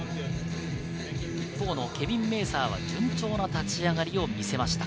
一方のケビン・メーサーは順調な立ち上がりを見せました。